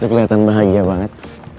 lo kelihatan bahagia banget